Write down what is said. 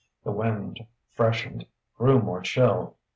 The wind freshened, grew more chill....